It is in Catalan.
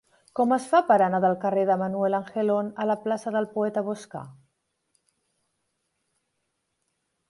Com es fa per anar del carrer de Manuel Angelon a la plaça del Poeta Boscà?